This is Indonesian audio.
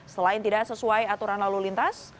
selain tidak sesuai aturan lalu lintas